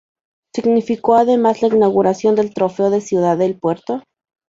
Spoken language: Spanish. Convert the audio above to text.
Significó, además, la inauguración del Trofeo Ciudad de El Puerto.